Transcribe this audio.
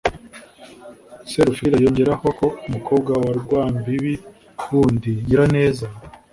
serufirira yongeraho ko umukobwa wa rwambibi wundi nyiraneza